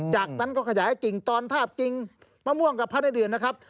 จากนั้นก็ขยายกิ่งตอนทาบกิ่งมะม่วงกับพระในเดือนนะครับ